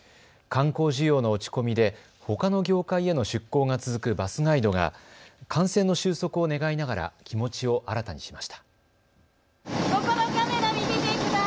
観光需要の落ち込みでほかの業界への出向が続くバスガイドが感染の収束を願いながら気持ちを新たにしました。